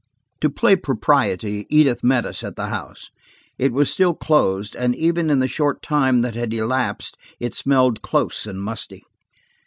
To play propriety, Edith met us at the house. It was still closed, and even in the short time that had elapsed it smelled close and musty.